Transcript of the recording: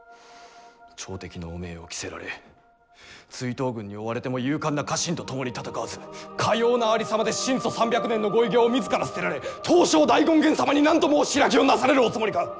朝敵の汚名を着せられ追討軍に追われても勇敢な家臣と共に戦わずかようなありさまで神祖三百年のご偉業を自ら捨てられ東照大権現様に何と申し開きをなされるおつもりか！」。